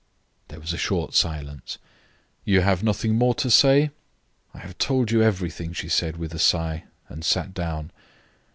There was a short silence. "You have nothing more to say?" "I have told everything," she said, with a sigh, and sat down.